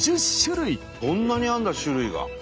こんなにあるんだ種類が。